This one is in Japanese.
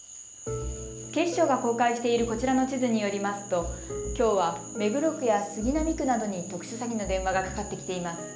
警視庁が公開しているこちらの地図によりますときょうは目黒区や杉並区などに特殊詐欺の電話がかかってきています。